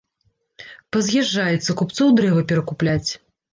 Паз'язджаецца купцоў дрэва перакупляць.